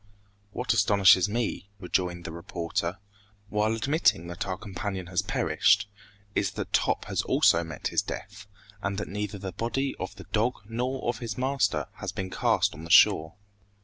"What astonishes me," rejoined the reporter, "while admitting that our companion has perished, is that Top has also met his death, and that neither the body of the dog nor of his master has been cast on the shore!"